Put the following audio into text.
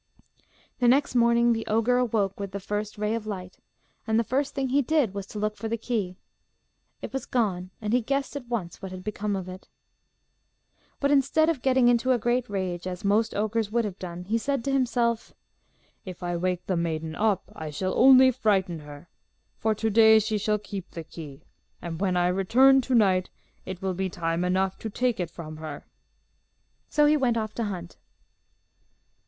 The next morning the ogre awoke with the first ray of light, and the first thing he did was to look for the key. It was gone, and he guessed at once what had become of it. But instead of getting into a great rage, as most ogres would have done, he said to himself, 'If I wake the maiden up I shall only frighten her. For to day she shall keep the key, and when I return to night it will be time enough to take it from her.' So he went off to hunt.